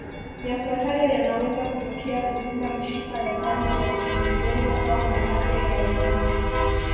Yafuatayo yanaweza kutokea kuvimba mishipa ya damu ya kwenye ubongo au malaria ya ubongo